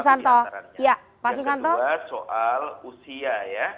yang kedua soal usia ya